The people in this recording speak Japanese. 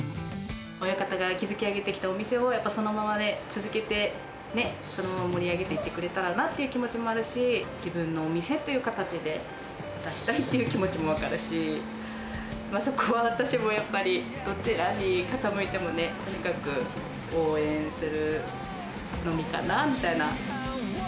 親方が築き上げてきたお店を、やっぱそのままで続けて、そのまま盛り上げていってくれたらなという気持ちもあるし、自分のお店という形で出したいという気持ちもわかるし、そこは私もやっぱり、どちらに傾いてもね、とにかく応援するのみかなみたいな。